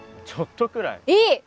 ちょっとくらいいい！